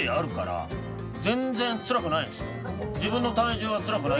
自分の体重がつらくない。